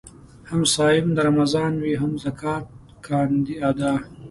هم صايم د رمضان وي هم زکات کاندي ادا